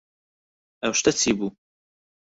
ئەو شتە چی بوو؟